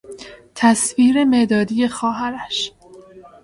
تصویر مدادی خواهرش